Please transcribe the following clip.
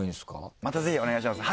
「またぜひお願いします！